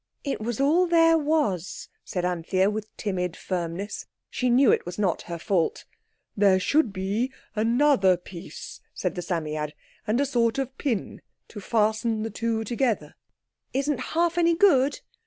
"It was all there was," said Anthea, with timid firmness. She knew it was not her fault. "There should be another piece," said the Psammead, "and a sort of pin to fasten the two together." "Isn't half any good?"